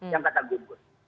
yang kata gunggut